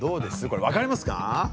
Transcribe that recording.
これわかりますか？